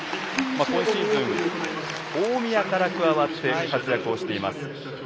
今シーズン、大宮から加わって活躍をしています。